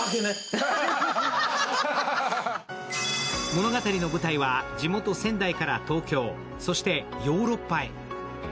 物語の舞台は地元・仙台から東京そしてヨーロッパへ。